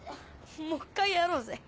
もう１回やろうぜ。